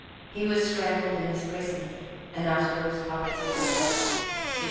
He was strangled in his prison, and afterwards publicly beheaded (1538).